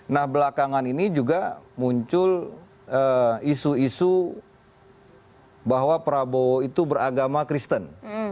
nah belakangan ini juga muncul isu isu bahwa prabowo itu beragama kristen